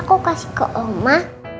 aku kasih ke oma